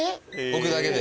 置くだけで。